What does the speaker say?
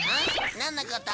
なんのこと？